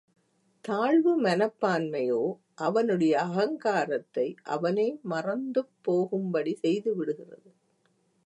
தாழ்வு மனப்பான்மையோ அவனுடைய அகங்காரத்தை அவனே மறந்துப்போகும்படி செய்துவிடுகிறது.